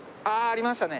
ありましたね。